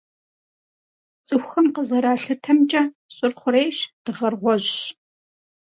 Цӏыхухэм къызэралъытэмкӏэ, Щӏыр - хъурейщ, Дыгъэр - гъуэжьщ.